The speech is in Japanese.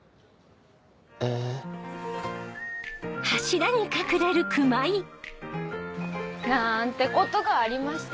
えぇ？なんてことがありまして。